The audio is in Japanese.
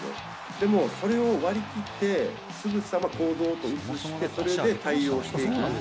でも、それを割り切って、すぐさま行動に移して、それで対応していく。